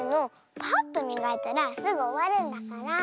パッとみがいたらすぐおわるんだから。